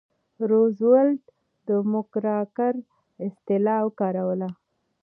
روزولټ د موکراکر اصطلاح وکاروله.